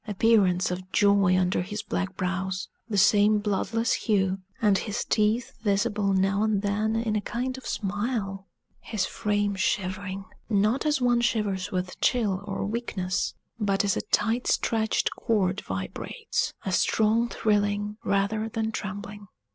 appearance of joy under his black brows; the same bloodless hue; and his teeth visible now and then in a kind of smile; his frame shivering, not as one shivers with chill or weakness, but as a tight stretched cord vibrates a strong thrilling, rather than trembling.